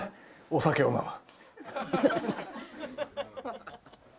お酒を飲む。